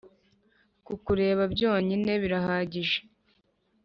Ku kureba byonyine birahagije